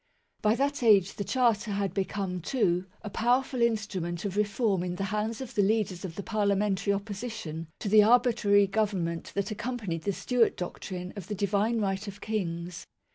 By that age the Charter had become, too, a power ful instrument of reform in the hands of the leaders of the parliamentary opposition to the arbitrary Government that accompanied the Stewart doctrine of the Divine Right of Kings.